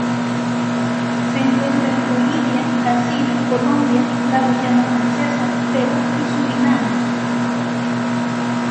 Se encuentra en Bolivia, Brasil, Colombia, la Guayana francesa, Perú y Surinam.